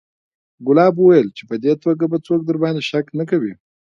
ګلاب وويل چې په دې توګه به څوک درباندې شک نه کوي.